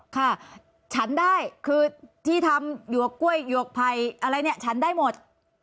ค่ะฉันได้คือที่ทำยัวกภัยอะไรเนี้ยฉันได้หมด